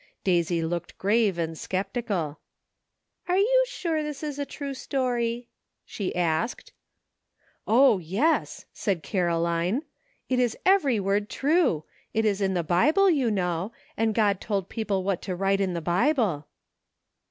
Daisy looked grave and skeptical. " Are you sure it is a true story ?" she asked. " O, yes!" said Caroline, "it is every word true; it is in the Bible, you know, and God told people what to write in the Bible."